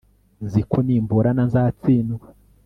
nzi ko nimburana, nzatsindwa